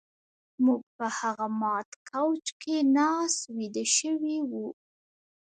موږ په هغه مات کوچ کې ناست ویده شوي وو